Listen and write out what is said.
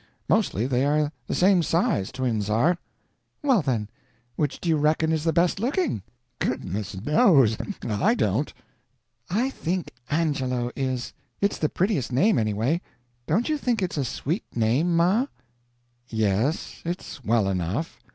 Mostly they are the same size twins are." "'Well then, which do you reckon is the best looking?" "Goodness knows I don't." "I think Angelo is; it's the prettiest name, anyway. Don't you think it's a sweet name, ma?" "Yes, it's well enough.